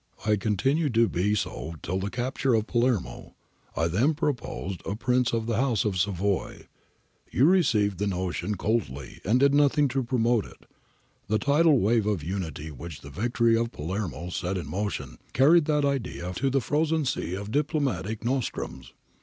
I continued to be so till the capture of Palermo. I then proposed a Prince of the House of Savoy. [See letter of May i8, above.] You 3IO APPENDIX A received the notion coldly and did nothing to promote it. The tidal wave of unity which the victory of Palermo set in motion carried that idea to the frozen sea of diplomatic nostrums.'